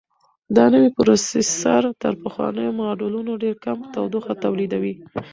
دا نوی پروسیسر تر پخوانیو ماډلونو ډېر کم تودوخه تولیدوي.